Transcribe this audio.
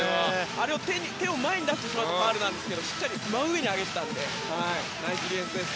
手を前に出してしまうとファウルなんですけどしっかりと真上に上げていたのでナイスディフェンスです。